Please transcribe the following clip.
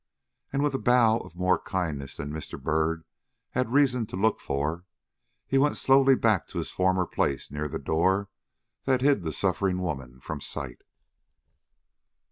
And with a bow of more kindness than Mr. Byrd had reason to look for, he went slowly back to his former place near the door that hid the suffering woman from sight.